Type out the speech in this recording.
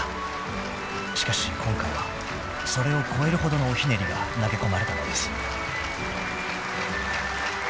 ［しかし今回はそれを超えるほどのおひねりが投げ込まれたのです］